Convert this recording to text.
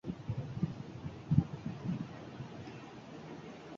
Una nieta suya, negrita ella, va a encontrar el amor.